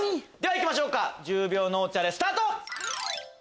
いきましょう１０秒脳チャレスタート！